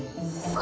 あ？